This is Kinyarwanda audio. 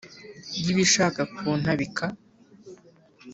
y’ibishaka kuntabika.